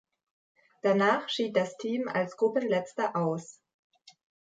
Danach schied das Team als Gruppenletzter aus.